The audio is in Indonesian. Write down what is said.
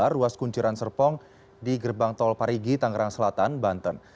ruas kunciran serpong di gerbang tol parigi tangerang selatan banten